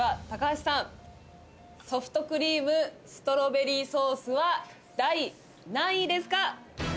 高橋さん、ソフトクリームストロベリーソースは第何位ですか？